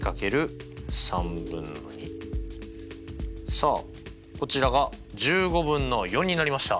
さあこちらが１５分の４になりました。